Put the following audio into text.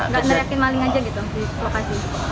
nggak ngeriakin maling aja gitu di lokasi